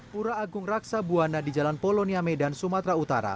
pura agung raksa buwana di jalan polonia medan sumatera utara